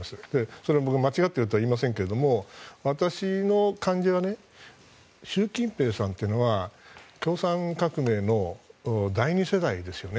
それは間違っているといいませんが私の考えでは習近平さんって共産革命の第２世代ですよね。